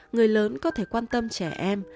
người lớn có thể quan tâm trẻ em